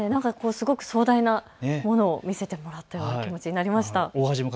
すごく壮大なものを見せてもらったような気持ちになりました。